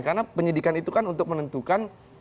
karena penyidikan itu kan untuk menentukan